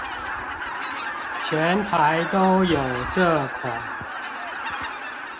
全台都有這款